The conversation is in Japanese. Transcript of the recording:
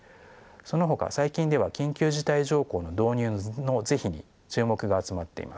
そのほか最近では緊急事態条項の導入の是非に注目が集まっています。